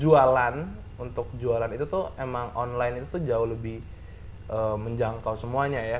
jualan untuk jualan itu tuh emang online itu tuh jauh lebih menjangkau semuanya ya